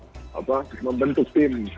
jadi kita harus membentuk tim